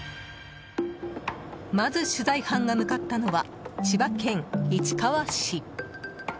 まず取材班が向かったのは千葉県市川市。